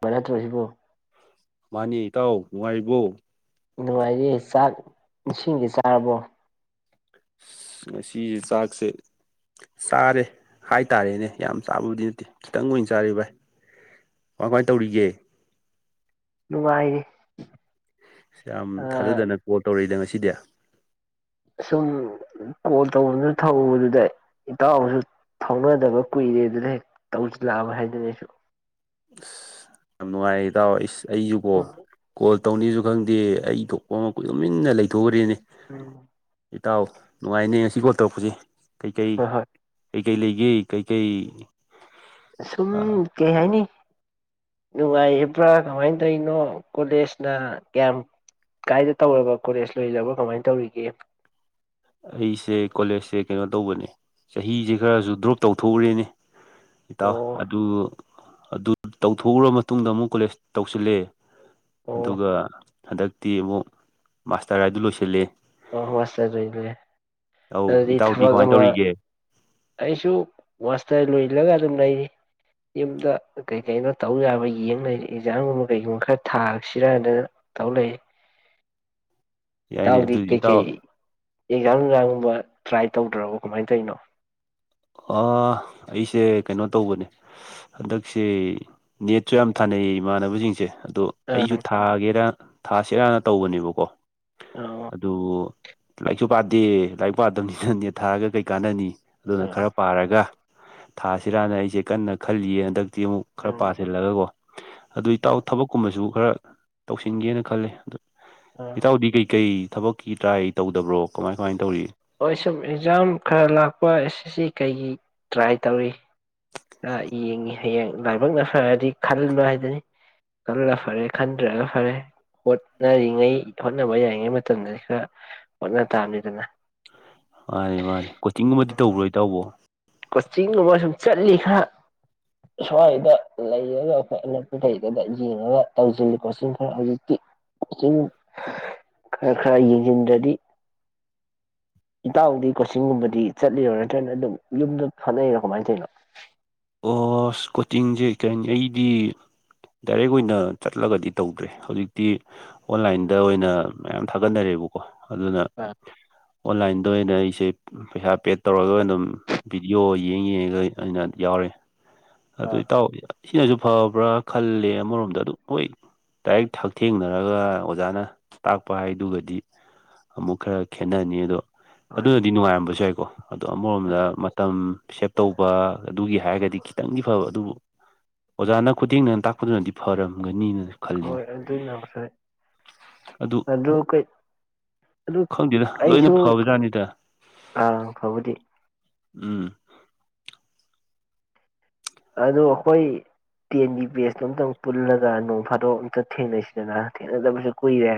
ꯃꯔ ꯇ ꯑꯕ ꯃꯥꯅꯤ ꯏꯇꯥꯎ ꯅꯨꯡꯉꯥꯏꯕꯣ ꯅꯨꯡꯉꯥꯏꯔꯤꯦ ꯆꯥꯛ ꯏꯁꯤꯡꯗꯤ ꯆꯥꯔꯕꯣ ꯉꯁꯤ ꯆꯥꯛꯁꯦ ꯆꯥꯔꯦ ꯍꯥꯏꯇꯥꯔꯦꯅꯦ ꯌꯥꯝ ꯆꯥꯕꯕꯨꯗꯤ ꯅꯠꯇꯦ ꯈꯤꯇꯪ ꯑꯣꯏꯅ ꯆꯥꯔꯤ ꯚꯥꯏ ꯀꯃꯥꯏ ꯀꯃꯥꯏꯅ ꯇꯧꯔꯤꯒꯦ ꯅꯨꯡꯉꯥꯏ ꯌꯥꯝ ꯊꯥꯖꯗꯅ ꯀꯣꯜ ꯇꯧꯔꯛꯏꯗ ꯉꯁꯤ ꯗ ꯁꯨꯝ ꯀꯣꯜ ꯇꯧꯕꯁꯨ ꯊꯗꯨꯗ ꯏꯇꯥꯎꯕꯁꯨ ꯊꯧꯅꯗꯕ ꯀꯨꯏꯔꯦ ꯑꯗꯨꯅ ꯍꯦꯛ ꯇꯧꯁꯤꯜꯂꯛꯑꯕ ꯍꯥꯏꯗꯨꯅ ꯑꯩꯁꯨ ꯑꯁ ꯌꯥꯝ ꯅꯨꯡꯉꯥꯏꯔꯦ ꯏ ꯇꯥꯎꯑꯣ ꯑꯩ ꯑꯩꯁꯨ ꯀꯣ ꯎꯝ ꯀꯣꯜ ꯇꯧꯅꯤꯁꯨ ꯈꯪꯗꯦ ꯑꯩ ꯊꯣꯛꯄ ꯑꯃ ꯀꯣꯏ ꯂꯃꯤꯟꯅ ꯂꯩꯊꯣꯛꯈ꯭ꯔꯦꯅꯦ ꯎꯝ ꯏꯇꯥꯎ ꯅꯨꯡꯉꯥꯏꯅꯦ ꯉꯁꯤ ꯀꯣꯜ ꯇꯧꯔꯛꯄꯁꯦ ꯀꯩꯀꯩ ꯍꯣꯏ ꯍꯣꯏ ꯀꯩꯀꯩ ꯂꯩꯒꯦ ꯀꯩꯀꯩ ꯁꯨꯝ ꯀꯩ ꯍꯥꯏꯅꯤ ꯅꯨꯡꯉꯥꯏꯕ꯭ꯔꯥ ꯀꯃꯥꯏꯅ ꯇꯧꯔꯤꯅꯣ ꯀꯣꯂꯦꯖꯅ ꯀꯌꯥꯝ ꯀꯥꯏꯗ ꯇꯧꯔꯕ ꯀꯣꯂꯦꯖ ꯂꯣꯏꯔꯕ꯭ꯔꯥ ꯀꯃꯥꯏꯅ ꯇꯧꯔꯤꯒꯦ ꯑꯩꯁꯦ ꯀꯣꯂꯦꯖꯁꯦ ꯀꯩꯅꯣ ꯇꯧꯕꯅꯦ ꯆꯍꯤꯁꯦ ꯈꯔꯁꯨ ꯗ꯭ꯔꯣꯞ ꯇꯧꯊꯣꯛꯎꯔꯦꯅꯦ ꯏꯇꯥꯎ ꯑꯣ ꯑꯗꯨ ꯑꯗꯨ ꯇꯧꯊꯣꯛꯎꯔ ꯃꯇꯨꯡꯗ ꯑꯃꯨꯛ ꯀꯣꯂꯦꯖ ꯇꯧꯁꯤꯜꯂꯑꯦ ꯑꯣ ꯑꯗꯨꯒ ꯍꯟꯗꯛꯇꯤ ꯑꯃꯨꯛ ꯃꯥꯁꯇꯔ ꯍꯥꯏꯗꯨ ꯂꯣꯏꯁꯤꯜꯂꯤ ꯑꯣ ꯃꯁꯦ [unintelligible] ꯑꯧ ꯑꯗꯨꯗꯤ ꯏꯇꯥꯎꯗꯤ ꯊꯕꯛ ꯀꯃꯥꯏꯅ ꯑꯃ ꯇꯧꯔꯤꯒꯦ ꯑꯩꯁꯨ ꯋꯥꯁꯇ ꯂꯣꯏ ꯁꯤꯜꯂꯒ ꯑꯗꯨꯝ ꯂꯩꯔꯤ ꯌꯨꯝꯗ ꯀꯩ ꯀꯩꯅꯣ ꯇꯧ ꯌꯥꯕ ꯌꯦꯡ ꯂꯩꯔꯤ ꯑꯦꯛꯖꯥꯝꯒꯨꯝꯕ ꯀꯩꯒꯨꯝꯕ ꯈꯔ ꯊꯥꯔꯁꯤꯔꯥꯗꯅ ꯇꯧ ꯂꯩꯔꯤ ꯌꯥꯏꯅꯦ ꯏꯇꯥꯎꯗ ꯑꯗꯨ ꯀꯩ ꯏꯇꯥꯎ ꯀꯩ ꯇꯖꯥꯝ ꯅꯨꯛꯖꯥꯝ ꯒꯨꯝꯕ ꯇ꯭ꯔꯥꯏ ꯇꯧꯗ꯭ꯔꯕ ꯀꯃꯥꯏꯅ ꯇꯧꯔꯤꯅꯣ ꯑꯩꯁꯦ ꯀꯩꯅꯣ ꯇꯧꯕꯅꯦ ꯍꯟꯗꯛꯁꯦ ꯅꯦꯠꯁꯨ ꯌꯥꯝ ꯊꯥꯅꯩꯌꯦ ꯏꯃꯥꯟꯅꯕꯁꯤꯡꯁꯦ ꯑꯗꯣ ꯑꯩꯁꯨ ꯑꯥ ꯊꯥꯒꯦꯔꯥ ꯊꯥꯁꯦ ꯔꯥ ꯇ꯭ꯕꯅꯦꯕꯥ ꯀꯣ꯫ ꯑꯣ ꯑꯗꯨ ꯂꯥꯏꯔꯤꯛꯁꯨ ꯄꯥꯗꯦ ꯂꯥꯏꯔꯤꯛ ꯄꯥꯗꯕꯅꯤꯅꯅꯦ ꯊꯥꯔꯒ ꯀꯩ ꯀꯥꯟꯅꯅꯤ ꯑꯗꯨꯗꯥ ꯑꯥ ꯈ꯭ꯔꯥ ꯄꯔꯥꯒꯥ꯫ ꯊꯥꯁꯤꯔꯥꯅ ꯑꯩꯁꯦ ꯀꯟꯅ ꯈꯜꯂꯤꯌꯦ ꯍꯟꯗꯛ ꯇꯤ ꯑꯃꯨꯛ ꯈꯔ ꯎꯝ ꯄꯥꯁꯤꯜꯂꯒꯀꯣ ꯑꯗꯨ ꯑꯥ ꯏꯇꯥꯎ ꯊꯕꯛꯀꯨꯝꯕꯁꯨ ꯈꯔ ꯇ꯭ꯁꯁꯤꯡ ꯅꯥ ꯈ꯭ꯂꯦ꯫ ꯑꯥ ꯏꯇꯥꯑꯣ ꯗꯤ ꯀꯦꯏ ꯀꯦꯏ꯫ ꯊꯕꯛꯀꯤ ꯇ꯭ꯔꯥꯏ ꯇꯧꯗꯕ꯭ꯔꯣ ꯀꯃꯥꯏ ꯀꯃꯥꯏꯅ ꯇꯧꯔꯤ ꯍ ꯁꯨꯝ ꯑꯦꯛꯖꯥꯝ ꯈꯔ ꯂꯥꯛꯄ ꯑꯦꯁ ꯑꯦꯁ ꯁꯤ ꯀꯩꯒꯤ ꯇ꯭ꯔꯥꯏ ꯇꯧꯔꯤ ꯈꯔ ꯌꯦꯡꯉꯤ ꯍꯌꯦꯡ ꯂꯥꯏꯕꯛꯅ ꯐꯔꯗꯤ ꯈꯟꯕ ꯍꯥꯏꯗꯨꯅꯤ ꯈꯜꯂ ꯐꯔꯦ ꯈꯟꯗ꯭ꯔꯒ ꯐꯔꯦ ꯍꯣꯠꯅꯔꯤꯉꯩ ꯍꯣꯠꯅꯕ ꯌꯥꯔꯤꯉꯩ ꯃꯇꯝꯗꯗꯤ ꯈꯔ ꯍꯣꯠꯅ ꯇꯥꯕꯅꯤꯗꯅ ꯃꯥꯅꯤ ꯃꯥꯅꯤ ꯀꯣꯆꯤꯡꯒꯨꯝꯕꯗꯤ ꯇꯧꯕ꯭ꯔꯣꯏ ꯇꯕꯣ ꯀꯣꯆꯤꯡ ꯒꯨꯝꯕꯥ ꯁꯨꯝ ꯆ꯭ꯇꯂꯤ꯫ ꯁꯥ ꯁ꯭ꯋꯥꯏꯗ ꯂꯩꯔꯒ ꯑꯩꯈꯣꯏ ꯑꯅꯛꯄ ꯂꯩꯗꯨꯗ ꯌꯦꯡꯉꯒ ꯇꯧꯁꯤꯜꯂꯤ ꯀꯣꯆꯤꯡ ꯈꯔ ꯍꯧꯖꯤꯛꯇꯤ ꯆꯤꯡ ꯈꯔ ꯈꯔ ꯌꯦꯡꯁꯤꯟꯗ꯭ꯔꯗꯤ ꯏꯇꯥꯎꯗꯤ ꯀꯣꯆꯤꯡꯒꯨꯝꯕꯗꯤ ꯆꯠꯂꯤꯔꯣ ꯅꯠꯇ꯭ꯔꯒꯅ ꯑꯗꯨꯝ ꯌꯨꯝꯗ ꯍꯣꯠꯅꯩꯔꯣ ꯀꯃꯥꯏꯅ ꯇꯧꯔꯤꯅꯣ ꯑꯣ ꯀꯣꯆꯤꯡꯁꯦ ꯀꯩꯅꯤ ꯑꯩꯗꯤ ꯗꯥꯏꯔꯦꯛ ꯑꯣꯏꯅ ꯆꯠꯂꯒꯗꯤ ꯇꯧꯗ꯭ꯔꯦ ꯍꯧꯖꯤꯛꯇꯤ ꯑꯣꯟꯂꯥꯏꯟꯗ ꯑꯣꯏꯅ ꯃꯌꯥꯝ ꯊꯥꯒꯠꯅꯔꯦꯕꯀꯣ ꯑꯗꯨꯅ ꯑ ꯑꯣꯟꯂꯥꯏꯟꯗ ꯑꯣꯏꯅ ꯑꯩꯁꯦ ꯄꯩꯁꯥ ꯄꯦꯗ ꯇꯧꯔꯒ ꯑꯗꯨꯝ ꯚꯤꯗꯤꯑꯣ ꯌꯦꯡ ꯌꯦꯡꯉꯒ ꯑꯩꯅ ꯌꯥꯎꯔꯦ ꯑ ꯑꯗꯨꯏ ꯇꯧ ꯁꯤꯅꯁꯨ ꯐꯕ꯭ꯔꯥ ꯈꯜꯂꯦ ꯑꯃꯔꯣꯝꯗ ꯑꯗꯨ ꯑꯣꯏꯣꯏ ꯗꯥꯏꯔꯤꯦꯛ ꯍꯛꯊꯦꯡꯅꯔꯒ ꯑꯣꯖꯥꯅ ꯇꯥꯛꯄ ꯍꯥꯏꯗꯨꯒꯗꯤ ꯑꯃꯨꯛ ꯈꯔ ꯈꯦꯠꯅꯅꯤ ꯑꯗꯣ ꯍꯣꯏ ꯑꯗꯨꯅꯗꯤ ꯅꯨꯡꯉꯥꯏꯔꯝꯕꯁꯨ ꯌꯥꯦ ꯍ ꯑꯗꯣ ꯑꯃꯔꯣꯝꯗ ꯃꯇꯝ ꯑꯦꯁꯦꯞ ꯇꯧꯕ ꯑꯗꯨꯒꯤ ꯍꯥꯏꯔꯒꯗꯤ ꯈꯤꯇꯪꯗꯤ ꯐꯕ ꯑꯗꯨꯕꯨ ꯑꯣꯖꯥꯅ ꯈꯨꯊꯦꯡꯅꯅ ꯇꯥꯛꯄꯗꯨꯅꯗꯤ ꯐꯔꯝꯒꯅꯤꯅ ꯍꯣꯏ ꯈꯜꯂꯤꯅꯦ ꯑꯗꯨꯅ ꯐꯣꯏ ꯑꯗꯨ ꯑꯗꯨ ꯈꯪꯗꯦꯗ ꯂꯣꯏꯅ ꯑꯩꯁꯨ ꯐꯕꯖꯥꯠꯅꯤꯗ ꯑ ꯐꯕꯗꯤ ꯎꯝ ꯑꯗ ꯑꯩꯈꯣꯏ ꯇꯦꯟꯒꯤ ꯄꯕꯦꯁꯇꯣ ꯑꯇꯪ ꯄꯨꯜꯂꯒ ꯅꯣꯡ ꯐꯥꯗꯣꯛ ꯑꯝꯇ ꯊꯦꯡꯅꯁꯤꯗꯅ ꯊꯦꯡꯅꯗꯕꯁꯨ ꯀꯨꯏꯔꯦ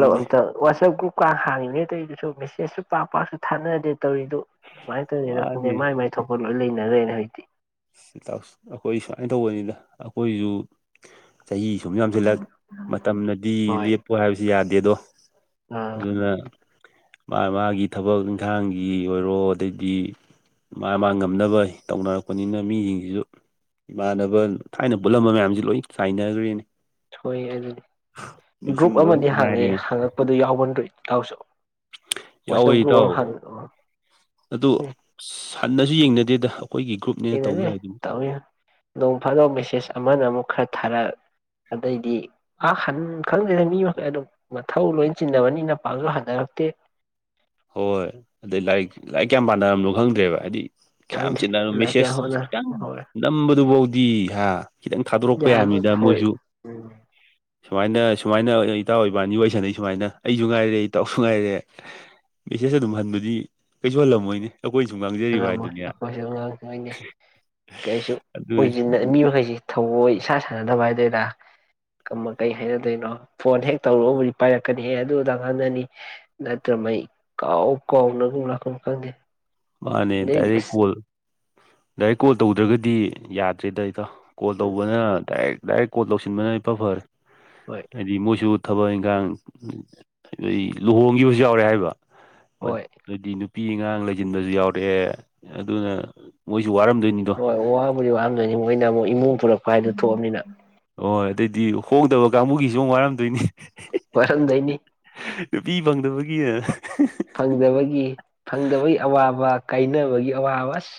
ꯂ ꯑꯇ ꯋꯥꯁ ꯀ ꯍꯥꯡꯉꯤꯅꯤꯅꯦ ꯑꯗꯨꯏꯗꯨꯁꯨ ꯃꯦꯁꯦꯖꯁꯨ ꯄꯥꯛ ꯄꯥꯛꯁꯨ ꯊꯥꯅꯔꯗꯦ ꯇꯧꯔꯤꯗꯨꯣ ꯀꯃꯥꯏꯅ ꯇꯧꯔꯤꯅꯣ ꯈꯪꯗꯦ ꯋꯥꯅꯤ ꯃꯥꯏ ꯃꯥꯏ ꯊꯣꯛꯄ ꯂꯣꯏ ꯂꯩꯅꯈ꯭ꯔꯦꯅ ꯍꯧꯖꯤꯛꯇꯤ ꯁꯤ ꯇꯥꯛꯁ ꯑꯈꯣꯏ ꯁꯨꯃꯥꯏꯅ ꯇꯧꯕꯅꯤꯗ ꯑꯩꯈꯣꯏꯖꯨ ꯆꯍꯤ ꯁꯨꯝ ꯌꯥꯝꯁꯤꯜꯂꯛ ꯃꯇꯝꯅꯗꯤ ꯍꯣꯏ ꯂꯦꯞꯄꯣ ꯍꯥꯏꯁꯨ ꯌꯥ ꯗꯦꯗꯣ ꯑꯥ ꯑꯗꯨꯗ ꯃꯥ ꯃꯥꯒꯤ ꯊꯕꯛ ꯏꯪꯈꯥꯡꯒꯤ ꯑꯣꯏꯔꯣ ꯑꯗꯩꯗꯤ ꯃꯥ ꯃꯥ ꯉꯝꯅꯕ ꯇꯧꯅꯔꯛꯄ ꯄꯅꯤꯅ ꯃꯤꯁꯤꯡꯁꯤꯁꯨ ꯏꯃꯥꯟꯅꯕ ꯊꯥꯏꯅ ꯄꯨꯜꯂꯝꯕ ꯃꯌꯥꯝꯁꯤ ꯂꯣꯏ ꯆꯥꯏꯅꯈ꯭ꯔꯦꯅꯦ ꯊꯣꯛꯣꯏꯑ ꯑꯗꯨꯗꯤ ꯒ꯭ꯔꯨꯞ ꯅꯤꯡꯁꯤꯡꯕ ꯑꯃꯗꯤ ꯈꯛꯇ ꯍꯥꯡꯉꯦ ꯉꯥꯏꯔꯦ ꯍꯥꯡꯉꯛꯄꯗꯨ ꯌꯥꯎꯕ ꯅꯠꯇꯣꯏ ꯊꯥꯎꯁꯨꯣ ꯌꯥꯎꯋꯦ ꯏꯗꯥꯎ ꯑꯗꯨ ꯁꯥꯟꯅꯁꯨ ꯌꯦꯡꯅꯗꯦꯗ ꯑꯩꯈꯣꯏꯒꯤ ꯒ꯭ꯔꯨꯞꯅꯦꯅ ꯑꯦꯅꯅꯦ ꯇꯧꯖ ꯍꯥꯏꯗꯨꯕꯨ ꯇꯧ ꯅꯣꯡ ꯐꯗꯣꯛ ꯃꯁꯦꯁ ꯑꯃꯅ ꯑꯃꯨꯛ ꯈꯔ ꯊꯥꯔꯛ ꯑꯗꯩꯗꯤ ꯄ ꯍꯟ ꯈꯪꯗꯦꯗ ꯃꯤ ꯃꯈꯩ ꯑꯗꯨꯝ ꯃꯊꯧ ꯂꯣꯏ ꯆꯤꯟꯅꯕꯅꯤꯅ ꯄꯥꯛꯅ ꯍꯟꯅꯔꯛꯇꯦ ꯍꯣꯏ ꯑꯗꯩ ꯂꯥꯏꯔꯤꯛ ꯂꯥꯏꯔꯤꯛ ꯀꯌꯥꯝ ꯄꯥꯅꯔꯝꯅꯣ ꯈꯪꯗꯦꯕ ꯍꯥꯏꯗꯤ ꯀꯌꯥꯝ ꯈꯪꯗꯦ ꯆꯤꯟꯗꯅ ꯂꯥꯏ ꯀꯌꯥ ꯃꯤꯁꯦꯁ ꯍꯣꯠꯅ ꯈꯤꯇꯪ ꯍꯣꯏ ꯅꯝꯕꯗꯨꯕꯧ ꯇꯤꯍꯥ ꯈꯤꯇꯪ ꯊꯥꯗꯣꯔꯛꯄ ꯌꯥꯕ ꯌꯥꯃꯤꯗ ꯍꯣꯏ ꯃꯣꯏꯁꯨ ꯎꯝ ꯁꯨꯃꯥꯏꯅ ꯁꯨꯃꯥꯏꯅ ꯏꯇꯥꯎ ꯏꯕꯥꯅꯤ ꯌ ꯋꯥꯔꯤꯣꯏ ꯁꯥꯟꯅꯩ ꯁꯨꯃꯥꯏꯅ ꯑꯩꯁꯨ ꯉꯥꯏꯔꯦ ꯏꯇꯥꯎꯁꯨ ꯉꯥꯏꯔꯦ ꯃꯦꯁꯦꯁ ꯑꯗꯨꯝ ꯍꯟꯕꯗꯤ ꯀꯩꯁꯨ ꯍꯜꯂꯝꯃꯣꯏꯅꯦ ꯑꯩꯈꯣꯏ ꯁꯨꯝ ꯉꯥꯡꯖꯔꯤꯕ ꯉꯝꯃꯣꯏ ꯍꯥꯏꯗꯨꯅꯤ ꯑꯩꯈꯣꯏꯁꯨ ꯉꯥꯡꯇꯣꯏꯅꯤ ꯀꯩꯁꯨ ꯑꯗꯨꯅꯤ ꯄꯣꯏꯖꯟ ꯑꯅꯤ ꯍꯣꯏꯖꯦ ꯊꯑꯣꯏ ꯏꯁꯥ ꯁꯥꯟꯅꯗꯕ ꯍꯥꯏ ꯑꯗꯨꯗ ꯀꯃ ꯀꯩ ꯍꯥꯏꯅꯗꯣꯏꯅꯣ ꯐꯣꯟ ꯍꯦꯛ ꯇꯧꯔꯛꯎꯕꯗꯤ ꯄꯥꯏꯔꯛꯀꯅꯤꯍꯦ ꯑꯗꯨꯗ ꯉꯟꯅꯅꯤ ꯅꯠꯇ꯭ꯔ ꯃꯩ ꯀꯥꯎ ꯀꯥꯎꯅꯒꯨꯝ ꯂꯥꯛꯀꯨꯝ ꯈꯪꯗꯦ ꯃꯥꯅꯦ ꯑꯗꯩꯗꯤ ꯗꯥꯏꯔꯦꯛ ꯑꯁ ꯀꯣꯜ ꯗꯥꯏꯔꯦꯛ ꯀꯣꯜ ꯇꯧꯗ꯭ꯔꯒꯗꯤ ꯌꯥ ꯇ꯭ꯔꯤꯗꯩꯗ ꯀꯣꯜ ꯎꯝ ꯇꯧꯕꯅ ꯗꯥꯏꯔꯦꯛ ꯗꯥꯏꯔꯦꯛ ꯀꯣꯜ ꯇꯧꯁꯤꯟꯕꯅ ꯏꯐ ꯐꯔꯦ ꯍꯣꯏ ꯍꯥꯏꯗꯤ ꯃꯣꯏꯁꯨ ꯊꯕꯛ ꯏꯪꯈꯥꯡ ꯂꯨꯍꯣꯡꯈꯤꯕꯁꯨ ꯌꯥꯎꯔꯦ ꯍꯥꯏꯕ ꯍꯣꯏ ꯃꯗꯤꯅ ꯄꯤ ꯉꯥꯡ ꯂꯩ ꯖꯤꯝꯗꯁꯨ ꯌꯥꯎꯔꯛꯑꯦ ꯑꯗꯨꯅ ꯃꯣꯏ ꯍꯣꯏ ꯋꯥꯕꯨꯗꯤ ꯋꯥꯝꯗꯣꯏꯅꯤ ꯃꯣꯏꯅ ꯑꯃꯨꯛ ꯏꯃꯨꯡ ꯊꯣꯛꯂꯛꯄ ꯍꯥꯏꯗꯨ ꯊꯣꯛꯑꯕꯅꯤꯅ ꯍꯣꯏ ꯑꯗꯩꯗꯤ ꯍꯣꯡꯗꯕ ꯀꯥꯡꯕꯨꯒꯤꯁꯨ ꯑꯃꯨ ꯋꯥꯔꯝꯗꯣꯏꯅꯤ ꯋꯥꯔꯝꯗꯣꯏꯅꯤ ꯅꯨꯄꯤ ꯐꯪꯗꯕ [unintelligible] ꯐꯪꯗꯕꯒꯤ ꯐꯪꯗꯕꯒꯤ ꯑꯋꯥꯕ ꯀꯥꯏꯅꯕꯒꯤ ꯑꯋꯥꯕ ꯑꯁ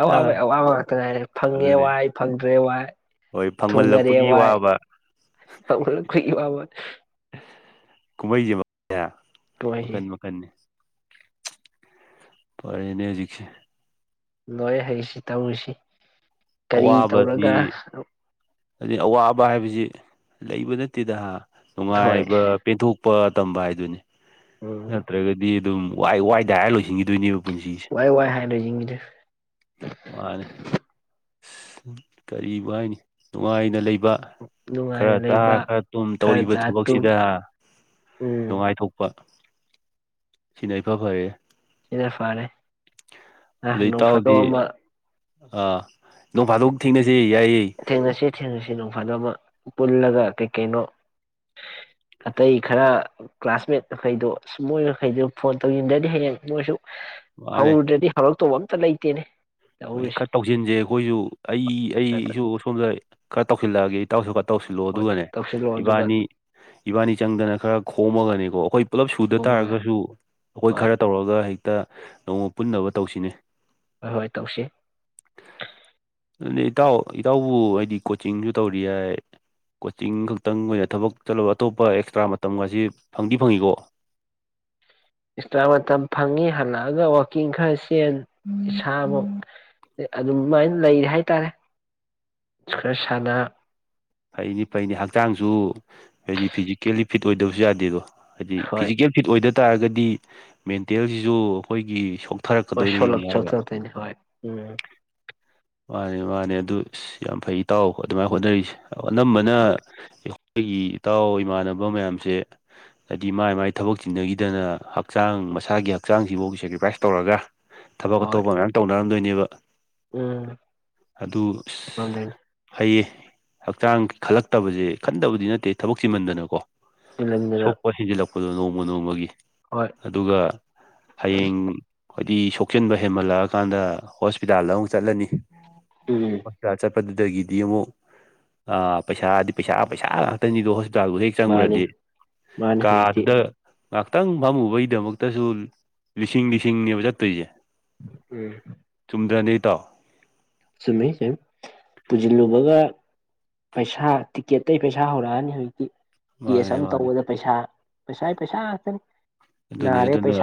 ꯑꯋꯥꯕꯩ ꯑꯋꯥꯕ ꯉꯥꯛꯇ ꯉꯥꯏꯔꯦ ꯐꯪꯉꯦ ꯑꯗꯨꯅꯦ ꯋꯥꯏ ꯐꯪꯗ꯭ꯔꯦ ꯋꯥꯏ ꯍꯣꯏ ꯊꯨꯡꯅꯔꯦ ꯐꯪꯃꯜꯂꯛꯄꯒꯤ ꯋꯥꯏ꯫ ꯋꯥꯕ ꯇꯝ ꯈꯔ ꯈꯨꯏꯋꯥꯕꯋꯥꯅꯤ ꯀꯨꯝꯃꯩꯖꯦ ꯌꯥ ꯃꯈꯟ ꯃꯈꯟꯅꯤ ꯄꯔꯦꯅꯦ ꯍꯧꯖꯤꯛꯁꯦ ꯂꯣꯏ ꯍꯩꯁꯤ ꯇꯧꯔꯤꯁꯤ ꯀꯔꯤ ꯇꯧꯔꯒ ꯑꯗꯨꯅꯤ ꯑꯋꯥꯕ ꯍꯥꯏꯕꯖꯤ ꯂꯩꯕ ꯅꯠꯇꯦꯗ ꯍꯥ ꯍꯣꯏ ꯅꯨꯡꯉꯥꯏꯕ ꯄꯦꯟꯊꯣꯛꯄ ꯇꯝꯕ ꯍꯥꯏꯗꯨꯅꯤ ꯎꯝ ꯅꯠꯇꯔꯒꯗꯤ ꯗꯨꯝ ꯋꯥꯏ ꯋꯥꯏꯗ ꯍꯥꯏꯔ ꯂꯣꯏꯁꯤꯟꯈꯤꯗꯣꯏꯅꯦꯕ ꯄꯨꯟꯁꯤꯁꯦ ꯋꯥꯏ ꯋꯥꯏ ꯍꯥꯏꯔ ꯂꯩꯖꯤꯡꯖꯤꯗꯤ ꯁ ꯀꯔꯤꯕꯨ ꯍꯥꯏꯅꯤ ꯅꯨꯡꯉꯥꯏꯅ ꯂꯩ ꯈꯔ ꯅꯨꯡꯉꯥꯏꯅ ꯆꯥꯔ ꯂꯩꯕ ꯈꯔ ꯇꯨꯝ ꯈꯔ ꯇꯧꯔꯤꯕ ꯆꯥ ꯊꯕꯛꯁꯤꯗ ꯇꯨꯝ ꯎꯝ ꯅꯨꯡꯉꯥꯏꯊꯣꯛꯄ ꯁꯤꯅ ꯏꯐ ꯐꯔꯦꯍꯦ ꯁꯤꯅ ꯐꯔꯦ ꯑ ꯅꯣꯡ ꯐꯥꯗꯣꯛ ꯑꯃ ꯑ ꯅꯣꯡ ꯐꯗꯣꯛ ꯊꯦꯡꯅꯁꯤ ꯌꯥꯏꯌꯦ ꯊꯦꯡꯅꯁꯦ ꯊꯦꯡꯅꯁꯦ ꯅꯣꯡꯃ ꯍꯥꯅ ꯑꯃ ꯄꯨꯜꯂꯒ ꯀꯩ ꯀꯩꯅꯣ ꯁ ꯑꯇꯩ ꯈꯔ ꯎꯝ ꯀ꯭ꯂꯥꯁꯃꯦꯠ ꯃꯈꯩꯗꯣ ꯁ ꯃꯣꯏ ꯃꯈꯩꯗꯨ ꯐꯣꯟ ꯇꯧꯏ ꯗꯗꯤ ꯍꯌꯦꯡ ꯃꯣꯏꯁꯨ ꯁ ꯃꯥꯅꯦ ꯍꯧꯔꯨꯗꯔꯗꯤ ꯍꯧꯔꯛꯇꯧꯑꯝ ꯆꯂꯩꯇꯦꯅꯦ ꯍꯣꯏ ꯈꯥ ꯇꯧꯁꯤꯟꯖꯦ ꯑꯩꯈꯣꯏꯖꯨ ꯑꯩ ꯑꯩ ꯁꯨ ꯁꯣꯝꯗ ꯑꯩ ꯈꯔ ꯇꯧꯁꯤꯜꯂꯛꯑꯒꯦ ꯏꯇꯥꯎꯁꯨ ꯈꯥ ꯇꯧꯁꯤꯜꯂꯣ ꯍꯣꯏ ꯑꯗꯨꯒꯅꯦ ꯇꯧꯁꯤꯜꯂꯣ ꯑꯗꯨꯒ ꯏꯕꯥꯅꯤ ꯏꯕꯥꯅꯤ ꯆꯪꯗꯅ ꯈꯔ ꯈꯣꯝꯃꯒꯅꯦ ꯑꯣ ꯑꯈꯣꯏ ꯄꯨꯜꯂꯞ ꯁꯨꯗ ꯀꯨꯝꯃꯒ ꯇꯥꯔꯒꯁꯨ ꯑꯩꯈꯣꯏ ꯍꯣꯏ ꯈꯔ ꯇꯧꯔꯒ ꯍꯩ ꯇ ꯅꯣꯡꯃ ꯄꯨꯟꯅꯕ ꯇꯧꯁꯤꯅꯦ ꯍꯣꯏ ꯇꯧꯁꯤ ꯑꯗꯨꯗꯤ ꯏꯇꯥꯎ ꯏꯇꯥꯎꯕꯨ ꯍꯥꯏꯗꯤ ꯀꯣꯆꯤꯡꯖꯨ ꯇꯧꯔꯤ ꯍꯥꯏ ꯀꯣꯆꯤꯡ ꯈꯛꯇꯪ ꯑꯣꯏꯅ ꯊꯕꯛ ꯆꯠꯂꯕ ꯑꯇꯣꯞꯄ ꯑꯦꯛꯁꯇ꯭ꯔꯥ ꯃꯇꯝꯒꯁꯤ ꯐꯪꯗꯤ ꯐꯪꯉꯤꯀꯣ ꯑꯦꯛꯁꯇ꯭ꯔꯥ ꯃꯇꯝ ꯐꯪꯉꯤ ꯍꯜꯂꯛꯑꯒ ꯋꯥꯛꯀꯤꯡ ꯈꯔ ꯆꯦꯟ ꯏꯁꯥꯃꯛ ꯑꯗꯨꯃꯥꯏꯅ ꯂꯩ ꯍꯥꯏꯇꯥꯔꯦ ꯈꯔ ꯁꯥꯟꯅ ꯐꯩꯅꯤ ꯐꯩꯅꯤ ꯍꯛꯆꯥꯡꯁꯨ ꯍꯥꯏꯗꯤ ꯐꯤꯖꯤꯀꯦꯜꯂꯤ ꯐꯤꯠ ꯑꯣꯏꯗꯕꯁꯨ ꯌꯥꯗꯦꯗꯣ ꯍꯥꯏꯗꯤ ꯍꯣꯏ ꯐꯤꯖꯤꯀꯦꯜ ꯐꯤꯠ ꯑꯣꯏꯗ ꯇꯥꯔꯒꯗꯤ ꯃꯦꯟꯇꯦꯜꯁꯤꯁꯨ ꯑꯩꯈꯣꯏꯒꯤ ꯁ ꯍ ꯁꯂꯣꯛ ꯆꯠꯇꯔꯊꯔꯤ ꯍ ꯎꯝ ꯃꯥꯅꯦ ꯃꯥꯅꯦ ꯑꯗꯨ ꯌꯥꯝ ꯐꯩ ꯇꯥꯎ ꯑꯗꯨꯃꯥꯏꯅ ꯍꯣꯠꯅꯔꯤꯁꯦ ꯅ ꯃꯅ ꯑꯩꯈꯣꯏꯒꯤ ꯏꯇꯥꯎ ꯏꯃꯥꯟꯅꯕ ꯃꯌꯥꯝꯁꯦ ꯍꯥꯏꯗꯤ ꯃꯥꯏ ꯃꯥꯏ ꯊꯕꯛ ꯆꯤꯟꯅꯈꯤꯗꯅ ꯍꯛꯆꯥꯡ ꯃꯁꯥꯒꯤ ꯍꯛꯆꯥꯡꯁꯤꯐꯥꯎꯒꯤ ꯁꯦꯀ꯭ꯔꯤꯐꯥꯏꯁ ꯇꯧꯔꯒ ꯊꯕꯛ ꯑ ꯍꯣꯏ ꯇꯧꯕ ꯃꯌꯥꯝ ꯇꯧꯅꯔꯝꯗꯣꯏꯅꯤ ꯅꯦꯕ ꯎꯝ ꯑꯗꯨ ꯉꯝꯗꯣꯏꯅꯤ ꯍꯩꯌꯦ ꯍꯛꯆꯥꯡ ꯈꯜꯂꯛꯇꯕꯁꯦ ꯈꯟꯗꯕꯗꯤ ꯅꯠꯇꯦ ꯊꯕꯛ ꯆꯃꯟꯗꯅꯀꯣ ꯆ ꯇꯤꯜꯍꯟꯗꯅ ꯄꯁꯤꯖ ꯂ ꯑꯩꯈꯣꯏꯗ ꯅꯣꯡꯃ ꯅꯣꯡꯃꯒꯤ ꯍꯣꯏ ꯑꯗꯨꯒ ꯍꯌꯦꯡ ꯍꯥꯏꯗꯤ ꯁꯣꯛꯆꯤꯟꯕ ꯍꯦꯟꯃꯜꯂꯛꯑꯀꯥꯟꯗ ꯍꯣꯁꯄꯤꯇꯥꯜꯗ ꯑꯃꯨꯛ ꯆꯠꯂꯅꯤ ꯎꯝ ꯑꯆꯥ ꯑꯆꯥ ꯑꯗꯨꯗꯒꯤꯗꯤ ꯑꯃꯨꯛ ꯑ ꯄꯩꯁꯥꯗꯤ ꯄꯩꯁꯥ ꯄꯩꯁꯥ ꯉꯥꯛꯇꯅꯤꯗꯣ ꯍ ꯆꯥꯛꯗꯨ ꯍꯦꯛ ꯃꯥꯅꯤ ꯆꯪꯉꯨꯔꯗꯤ ꯃꯥꯅꯤ ꯍꯧꯖꯤꯛꯇꯤ ꯀꯥꯗꯨꯗ ꯉꯥꯏꯍꯥꯛꯇꯪ ꯐꯝꯃꯨꯕꯒꯤꯗꯃꯛꯇꯁꯨ ꯂꯤꯁꯤꯡ ꯂꯤꯁꯤꯡꯅꯦꯕ ꯆꯠꯇꯣꯏꯁꯦ ꯎꯝ ꯍꯟꯗ꯭ꯔꯗꯩ ꯇꯥꯎ ꯆꯨꯝꯩ ꯁꯦ ꯄꯨꯁꯤꯜꯂꯨꯕꯒ ꯄꯩꯁꯥ ꯇꯤꯀꯦꯠꯇꯒꯤ ꯄꯩꯁꯥ ꯍꯧꯔꯛꯑꯅꯤ ꯍꯧꯖꯤꯛꯇꯤ ꯀꯦꯁ ꯃꯥꯅꯦ ꯑꯃ ꯃꯥꯅꯦ ꯇꯧꯕꯗ ꯄꯩꯁꯥ ꯄꯩꯁꯥ ꯄꯩꯁꯥꯆꯦ ꯑꯗꯨꯅꯦ ꯑꯗꯨꯅ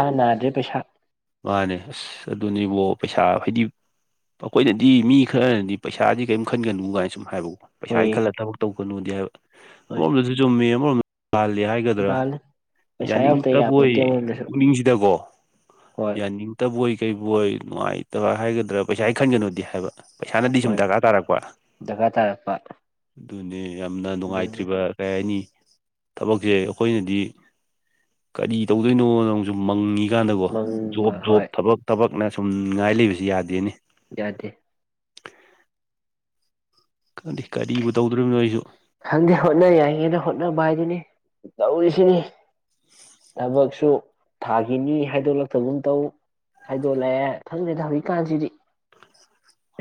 ꯃꯥꯅꯦ ꯑꯁ ꯑꯗꯨꯅꯤ ꯏꯕꯣ ꯄꯩꯁꯥ ꯍꯥꯏꯗꯤ ꯑꯩꯈꯣꯏꯅꯗꯤ ꯃꯤ ꯈꯔꯅꯗꯤ ꯄꯩꯁꯥꯗꯤ ꯀꯔꯤꯝ ꯈꯟꯒꯅꯨ ꯀꯥꯏꯅ ꯁꯨꯝ ꯍꯥꯏꯕ ꯄꯩꯁꯥ ꯍꯣꯏꯌꯦ ꯏ ꯈꯜꯂ ꯊꯕꯛ ꯇꯧꯒꯅꯨꯅꯦ ꯀ ꯍꯣꯏ ꯑꯣꯗꯁꯤ ꯆꯨꯝꯃꯤ ꯍ ꯂꯥꯜꯂꯤ ꯍꯥꯏꯒꯗ꯭ꯔꯥ ꯂꯥꯜꯂꯦ ꯄꯩꯁꯥ ꯌꯥꯎꯗ ꯌꯥꯅꯤꯡꯇꯕ ꯑꯩꯈꯣꯏ ꯌꯥꯄꯣꯠꯇꯦ ꯑꯃꯔꯣꯝꯗꯁꯨ ꯄꯨꯛꯅꯤꯡꯁꯤꯗꯀꯣ ꯍꯣꯏ ꯌꯥꯅꯤꯡꯗꯕ ꯇꯕꯣꯏ ꯀꯔꯤꯕꯣꯏ ꯅꯨꯡꯉꯥꯏꯇꯕ ꯍꯥꯏꯒꯗ꯭ꯔꯥ ꯄꯩꯁꯥ ꯈꯟꯒꯅꯣꯗꯤ ꯍꯥꯏꯕ ꯄꯩꯁꯥꯅꯗꯤ ꯁꯨꯝ ꯍꯣꯏ ꯗꯔꯀꯥꯔ ꯇꯥꯔꯛꯄ ꯗꯔꯀꯥꯔ ꯇꯥꯔꯛꯄ ꯑꯗꯨꯅꯤ ꯌꯥꯝꯅ ꯑꯗꯨꯅꯤ ꯅꯨꯡꯉꯥꯏꯇ꯭ꯔꯤꯕ ꯀꯔꯤ ꯍꯥꯏꯅꯤ ꯊꯕꯛꯁꯦ ꯑꯩꯈꯣꯏꯅꯗꯤ ꯀꯔꯤ ꯇꯧꯗꯣꯏꯅꯣꯅ ꯅꯪꯁꯨ ꯃꯪꯉꯤ ꯀꯥꯟꯗꯀꯣ ꯃꯪ ꯖꯣꯕ ꯖꯣꯕ ꯍꯣꯏ ꯊꯕꯛ ꯊꯕꯛ ꯅ ꯁꯨꯝꯅꯤꯡꯉꯥꯏ ꯂꯩꯕꯁꯤ ꯌꯥꯗꯦꯅꯤ ꯌꯥꯗꯦ ꯈꯪꯗꯦ ꯀꯔꯤꯕꯨ ꯇꯧꯗꯣꯔꯤꯕꯅꯣ ꯑꯩꯁꯨ ꯈꯪꯗꯦ ꯍꯣꯠꯅ ꯌꯥꯏꯉꯅ ꯍꯣꯠꯅꯕ ꯍꯥꯏꯗꯨꯅꯤ ꯇꯧꯔꯤꯁꯤꯅꯤ ꯊꯕꯛꯁꯨ ꯊꯥꯈꯤꯅꯤ ꯍꯥꯏꯗꯣꯛꯂꯛꯇꯒꯨꯝ ꯇꯧ ꯍꯥꯏꯗꯣꯛꯂꯛꯑꯦ ꯈꯪꯗꯦ ꯍꯧꯖꯤꯛꯀꯥꯟꯁꯤꯗꯤ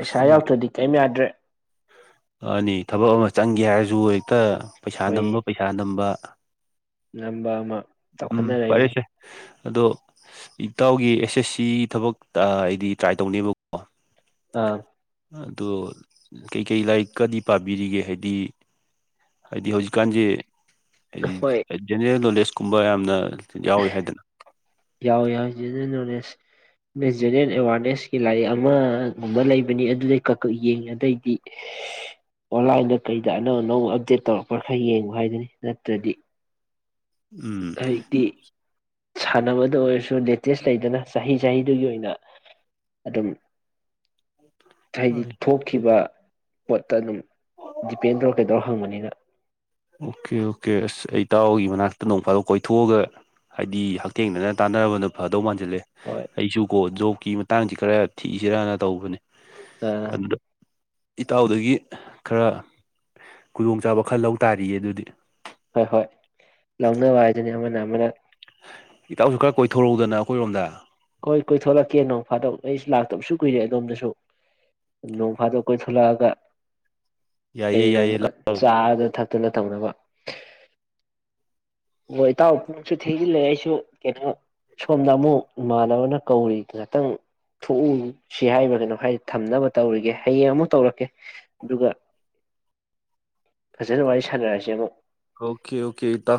ꯑꯁ ꯑꯩꯁꯨ ꯌꯥꯎꯗ꯭ꯔꯗꯤ ꯀꯔꯤꯝ ꯌꯥꯗ꯭ꯔꯦ ꯑꯅꯤ ꯊꯕꯛ ꯑꯃ ꯆꯪꯒꯦ ꯍꯥꯏꯔꯁꯨ ꯍꯦꯛꯇ ꯄꯩꯁꯥ ꯅꯝꯕ ꯄꯩꯁꯥ ꯅꯝꯕ ꯉꯝꯕ ꯑꯃ ꯎꯝ ꯆꯥꯎꯈꯠꯅꯔꯛꯏꯅꯤ ꯐꯔꯦꯁꯦ ꯑꯗꯣ ꯏꯇꯥꯎꯒꯤ ꯑꯦꯁ ꯑꯦꯁ ꯁꯤ ꯊꯕꯛ ꯑꯩꯗꯤ ꯇ꯭ꯔꯥꯏ ꯇꯧꯅꯦꯕꯀꯣ ꯑꯥ ꯑꯗꯣ ꯀꯩꯀꯩ ꯂꯥꯏꯔꯤꯛ ꯀꯗꯤ ꯄꯥꯕꯤꯔꯤꯒꯦ ꯍꯥꯏꯗꯤ ꯍꯥꯏꯗꯤ ꯍꯧꯖꯤꯛꯀꯥꯟꯁꯦ ꯍꯥꯏꯗꯤ ꯖꯦꯅꯔꯦꯜꯅꯣꯂꯦꯁ ꯒꯨꯝꯕ ꯌꯥꯝꯅ ꯌꯥꯎꯋꯤ ꯍꯥꯏꯗꯅ ꯌꯥꯎ ꯌꯥꯎꯏ ꯖꯦꯅꯔꯦꯜ ꯅꯣꯂꯦꯁ ꯖꯦꯅꯔꯦꯟ ꯑꯦꯋꯥꯔꯅꯦꯁꯀꯤ ꯂꯥꯏꯔꯤꯛ ꯑꯃꯒꯨꯝꯕ ꯂꯩꯕꯅꯤ ꯑꯗꯨꯗꯤ ꯀꯛꯀꯛ ꯌꯦꯡꯉꯤ ꯑꯇꯩꯗꯤ ꯑꯣꯟꯂꯥꯏꯟꯗ ꯀꯩꯗ ꯑꯅꯧ ꯑꯅꯧꯕ ꯑꯞꯗꯦꯠ ꯇꯧꯔꯛꯄ ꯈꯔ ꯌꯦꯡꯕ ꯍꯥꯏꯗꯨꯅꯤ ꯅꯠꯇ꯭ꯔꯗꯤ ꯎꯝ ꯍꯧꯖꯤꯛꯇꯤ ꯁꯥꯟꯅꯕꯗ ꯑꯣꯏꯔꯁꯨ ꯂꯦꯇꯦꯁ ꯂꯩꯗꯅ ꯆꯍꯤ ꯆꯍꯤꯗꯨꯒꯤ ꯑꯣꯏꯅ ꯑꯗꯨꯝ ꯍꯥꯏꯗꯤ ꯍꯣꯏ ꯊꯣꯛꯈꯤꯕ ꯄꯣꯠꯇ ꯑꯗꯨꯝ ꯗꯤꯄꯦꯟ ꯇꯧꯔ ꯀꯩꯗꯧꯔ ꯍꯪꯕꯅꯤꯅ ꯑꯣꯀꯦ ꯑꯣꯀꯦ ꯑꯁ ꯑꯩ ꯇꯥꯎꯒꯤ ꯃꯅꯥꯛꯇ ꯅꯣꯡꯐꯥꯗꯣꯛ ꯀꯣꯏꯊꯣꯛꯑꯒ ꯍꯥꯏꯕꯗꯤ ꯍꯛꯊꯦꯡꯅꯅ ꯇꯥꯟꯅꯔꯕꯅ ꯐꯗꯧ ꯃꯥꯟꯖꯟ ꯁꯤꯜꯂꯦ ꯍꯣꯏ ꯑꯩꯁꯨ ꯀꯣ ꯖꯣꯕ ꯀꯤ ꯃꯇꯥꯡꯁꯤ ꯈꯔ ꯊꯤꯛꯏꯁꯤꯔꯅ ꯇꯧꯕꯅꯦ ꯑ ꯑꯗꯨꯗ ꯏꯇꯥꯎꯗꯒꯤ ꯈꯔ ꯈꯨꯗꯣꯡ ꯆꯕ ꯈꯔ ꯂꯧ ꯇꯥꯔꯤꯌꯦ ꯑꯗꯨꯗꯤ ꯍꯣꯏ ꯍꯣꯏ ꯂꯧꯅꯕ ꯍꯥꯏꯗꯨꯅꯤ ꯑꯃꯅ ꯑꯃꯅ ꯏꯇꯥꯎꯁꯨ ꯈꯔ ꯀꯣꯏꯊꯣꯔꯛꯎꯗꯅ ꯑꯩꯈꯣꯏꯔꯣꯝꯗ ꯍꯣꯏ ꯀꯣꯏꯊꯂꯛꯀꯦ ꯅꯣꯡ ꯐꯥꯗꯣꯛ ꯑꯩ ꯂꯥꯛꯇꯕꯁꯨ ꯀꯨꯏꯔꯦ ꯑꯗꯣꯝꯗꯁꯨ ꯅꯣꯡ ꯐꯥꯗꯣꯛ ꯀꯣꯏꯊꯂꯛꯑꯒ ꯌꯥꯏꯌꯦ ꯀꯩ ꯅꯨꯡ ꯌꯥꯏꯌꯦ ꯂꯥꯛꯑꯣ ꯆꯥꯗ ꯊ ꯐ ꯑꯗꯨꯅ ꯇꯧꯅꯕ ꯍꯣꯏ ꯏꯇꯥꯎ ꯄꯨꯡꯁꯨ ꯊꯤꯖꯤꯜꯂꯛꯑꯦ ꯑꯩꯁꯨ ꯀꯩꯅꯣ ꯁꯣꯝꯗ ꯑꯃꯨꯛ ꯏꯃꯥꯟꯅꯕꯅ ꯀꯧꯔꯤ ꯉꯍꯇꯪ ꯊꯣꯛꯎ ꯁꯤ ꯍꯥꯏꯕ ꯀꯩꯅꯣ ꯍꯥꯏꯗꯤ ꯊꯝꯅꯕ ꯇꯧꯔꯤꯒꯦ ꯍꯌꯦꯡ ꯑꯃꯨꯛ ꯇꯧꯔꯛꯀꯦ ꯑꯗꯨꯒ ꯐꯖꯅ ꯋꯥꯔꯤ ꯁꯥꯟꯅꯔꯁꯤ ꯑꯃꯨꯛ ꯑꯣꯀꯦ ꯑꯣꯀꯦ ꯏꯇꯥꯎ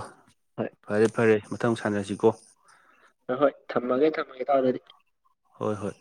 ꯍꯣꯏ ꯐꯔꯦ ꯐꯔꯦ ꯃꯊꯪ ꯃꯨꯛ ꯁꯥꯟꯅꯁꯤ ꯀꯣ ꯑ ꯍꯣꯏ ꯊꯝꯃꯒꯦ ꯊꯝꯃꯒꯦ ꯢꯇꯧ ꯑꯗꯨꯗꯤ ꯍꯣꯏ ꯍꯣꯏ